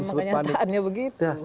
nah yang memang kenyataannya begitu